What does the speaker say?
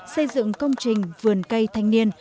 xây dựng công trình vườn cây thanh niên